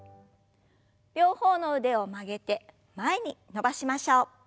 両方の腕を曲げて前に伸ばしましょう。